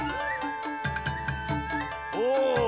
お。